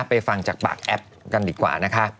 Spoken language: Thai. ฟังจากปากแอปกันดีกว่านะคะ